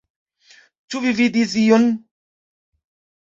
Ĉu vi vidis ion?